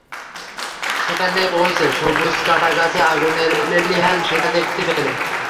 সেখানে পৌঁছে সবুজ কাটা গাছে আগুনের লেলিহান শিখা দেখতে পেলেন।